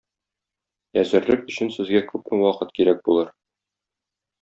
Әзерлек өчен сезгә күпме вакыт кирәк булыр?